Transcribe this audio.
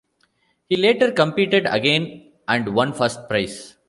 He later competed again and won first prize.